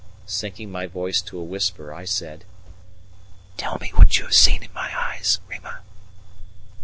Sinking my voice to a whisper, I said: "Tell me what you have seen in my eyes, Rima?"